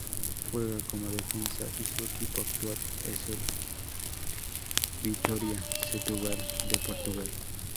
Juega como defensa y su equipo actual es el Vitória Setúbal de Portugal.